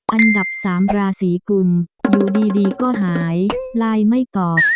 อันดับ๓ราศีกุลอยู่ดีก็หายลายไม่กอก